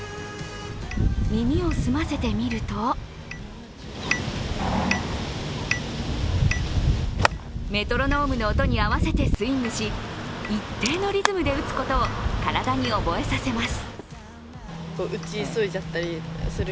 耳を澄ませてみるとメトロノームの音に合わせてスイングし一定のリズムで打つことを体に覚えさせます。